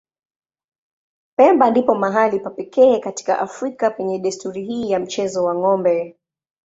Pemba ndipo mahali pa pekee katika Afrika penye desturi hii ya mchezo wa ng'ombe.